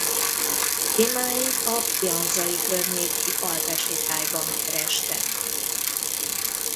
Témáit a brianzai környéki alpesi tájban kereste.